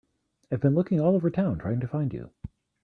I've been looking all over town trying to find you.